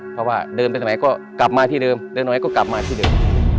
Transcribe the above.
เพราะว่าเดินไปสมัยก็กลับมาที่เดิมเดินสมัยก็กลับมาที่เดิม